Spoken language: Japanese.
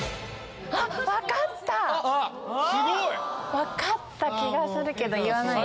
分かった気がするけど言わない。